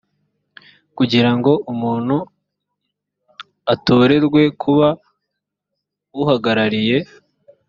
kugira ngo umuntu atorerwe kuba uhagarariye